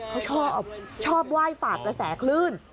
เขาชอบว่ายฝากระแสคลื่น